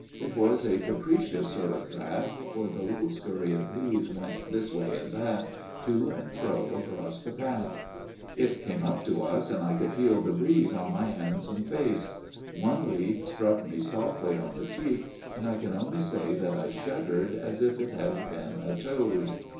It was a capricious sort of draught, for the little scurry of leaves went this way and that, to and fro across the path. It came up to us, and I could feel the breeze on my hands and face. One leaf struck me softly on the cheek, and I can only say 17 (aooo) ,5250 A MIRROR OF SHALOTT that I shuddered as if it had been a toad.